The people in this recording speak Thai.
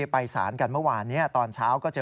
ไปสารกันเมื่อวานนี้ตอนเช้าก็เจอ